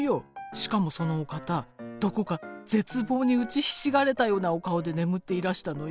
しかもそのお方どこか絶望に打ちひしがれたようなお顔で眠っていらしたのよ。